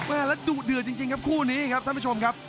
แล้วดุเดือดจริงครับคู่นี้ครับท่านผู้ชมครับ